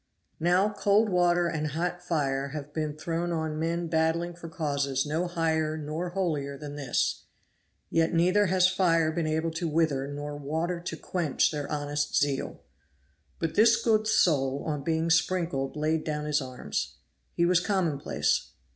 Now cold water and hot fire have been thrown on men battling for causes no higher nor holier than this, yet neither has fire been able to wither nor water to quench their honest zeal. But this good soul on being sprinkled laid down his arms; he was commonplace.